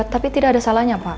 tapi tidak ada salahnya pak